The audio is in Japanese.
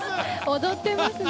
踊ってますね。